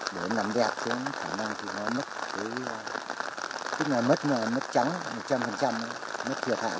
để nằm đẹp khả năng thì nó mất trắng một trăm linh mất thiệt hại